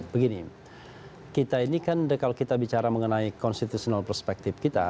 begini kita ini kan kalau kita bicara mengenai constitutional perspektif kita